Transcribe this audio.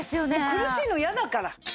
苦しいの嫌だから。